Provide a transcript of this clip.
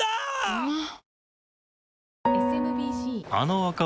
うまっ！！